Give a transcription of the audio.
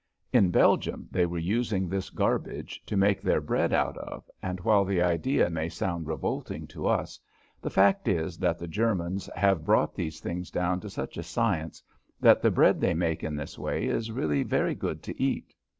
In Belgium they were using this "garbage" to make their bread out of, and while the idea may sound revolting to us, the fact is that the Germans have brought these things down to such a science that the bread they make in this way is really very good to eat.